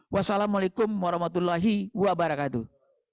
wassalamu'alaikum warahmatullahi wabarakatuh